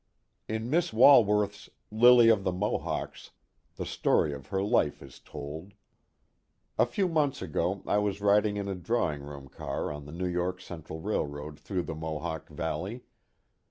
In Miss Walworth's Lily of the Mohawks y the story of her life is told. A few months ago I was riding in a drawing room car on the New York Central Railroad through the Mohawk Valley.